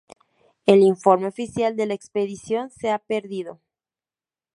El informe oficial de la expedición se ha perdido.